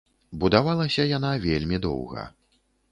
Будавалася яна вельмі доўга.